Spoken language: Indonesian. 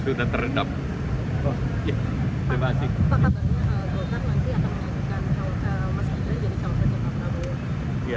pak bidulkar nanti akan menunjukkan cawabat masyarakat jadi cawabat yang akan berada di bidulkar